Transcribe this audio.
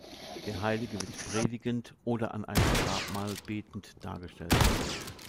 Der Heilige wird predigend oder an einem Grabmal betend dargestellt.